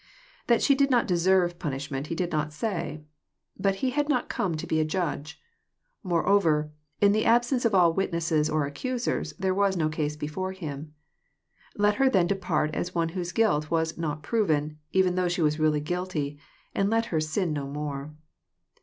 — That she did not deserve j)un ishment He did not say. But He had not come to be a judge* (Moreover, in the absence of all witnesses or accus ers, there was no case before Him. Let her then depart as one whose guilt was " not proven," even though she was really guilty, and let her " sin no more.")